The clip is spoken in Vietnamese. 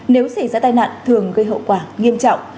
nếu xảy ra tai nạn thường gây hậu quả nghiêm trọng